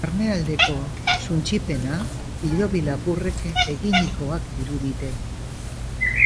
Barnealdeko suntsipena, hilobi lapurrek eginikoak dirudite.